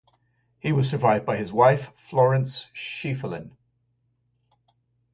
He was survived by his wife, Florence Schieffelin.